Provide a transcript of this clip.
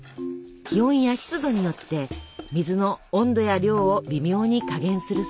気温や湿度によって水の温度や量を微妙に加減するそうです。